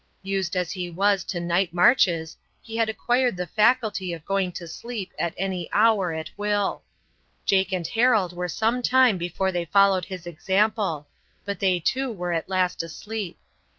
Used as he was to night marches, he had acquired the faculty of going to sleep at any hour at will. Jake and Harold were some time before they followed his example, but they too were at last asleep.